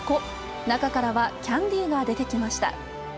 中からはキャンディが出てきました。